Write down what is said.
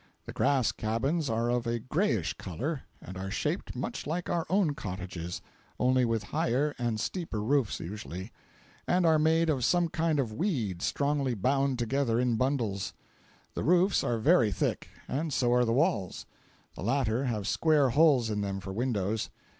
The grass cabins are of a grayish color, are shaped much like our own cottages, only with higher and steeper roofs usually, and are made of some kind of weed strongly bound together in bundles. The roofs are very thick, and so are the walls; the latter have square holes in them for windows.